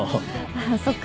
あっそっか。